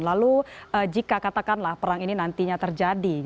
lalu jika katakanlah perang ini nantinya terjadi